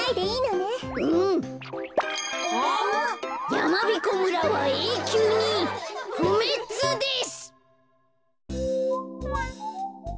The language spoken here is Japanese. やまびこ村はえいきゅうにふめつです。